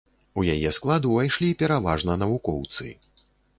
У яе склад увайшлі пераважна навукоўцы.